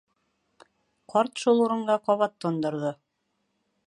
Ҡарт шул урынға ҡабат тондорҙо.